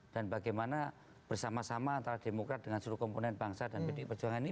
dan bagaimana bersama sama antara demokrat dengan seluruh komponen bangsa dan pendidik perjuangan ini